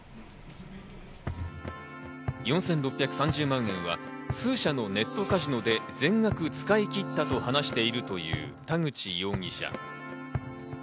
４６３０万円は数社のネットカジノで全額使い切ったと話しているという田口容疑者。